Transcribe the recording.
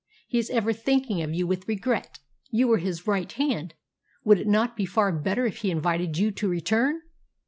He is ever thinking of you with regret. You were his right hand. Would it not be far better if he invited you to return?"